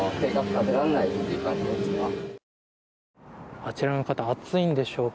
あちらの方暑いんでしょうか。